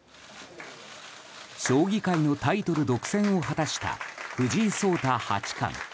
将棋界のタイトル独占を果たした藤井聡太八冠。